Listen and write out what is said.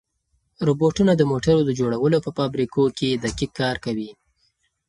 روبوټونه د موټرو د جوړولو په فابریکو کې دقیق کار کوي.